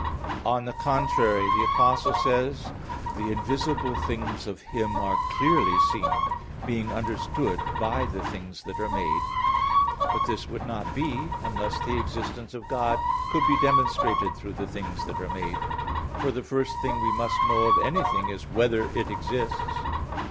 On the contrary, The Apostle says: "The invisible things of Him are clearly seen, being understood by the things that are made" (Rom. 1:20). But this would not be unless the existence of God could be demonstrated through the things that are made; for the first thing we must know of anything is whether it exists.